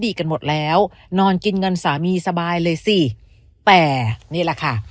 กันหมดแล้วนอนกินเงินสามีสบายเลยสิแต่นี่แหละค่ะ